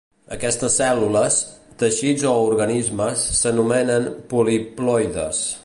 Aquestes cèl·lules, teixits o organismes s'anomenen poliploides.